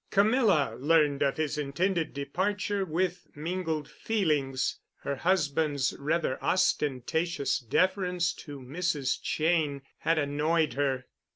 Camilla learned of his intended departure with mingled feelings. Her husband's rather ostentatious deference to Mrs. Cheyne had annoyed her.